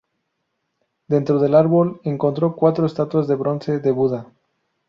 Dentro del árbol encontró cuatro estatuas de bronce de Buda.